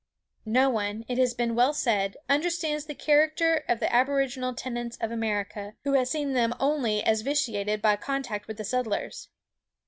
No one, it has been well said, understands the character of the aboriginal tenants of America, who has seen them only as vitiated by contact with the settlers.